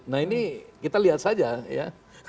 nah ini kita lihat saja ya